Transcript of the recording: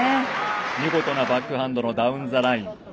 見事なバックハンドのダウンザライン。